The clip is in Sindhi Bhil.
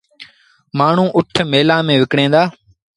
مآڻهوٚݩ اُٺ ميلآن ميݩ وڪڻين دآ۔